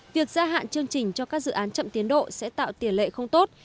việc gia hạn chương trình cho các dự án chậm tiến độ sẽ tạo tiền lệ không tốt